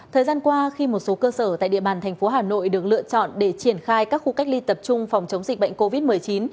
thời gian qua khi một số cơ sở tại địa bàn thành phố hà nội được lựa chọn để triển khai các khu cách ly tập trung phòng chống dịch bệnh covid một mươi chín